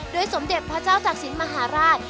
โดยสมเด็จพระเจ้าจักษิมหาราช